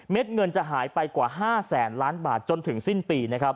เม็ดเงินจะหายไปกว่า๕แสนล้านบาทจนถึงสิ้นปี